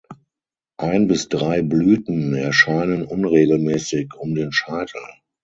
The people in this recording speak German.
Ein bis drei Blüten erscheinen unregelmäßig um den Scheitel.